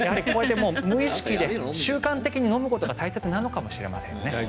無意識で習慣的に飲むことが大事なのかもしれませんね。